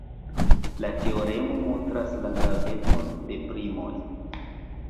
La teoremo montras la gravecon de primoj.